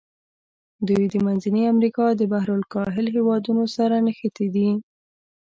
دوی د منځني امریکا د بحر الکاهل هېوادونو سره نښتي دي.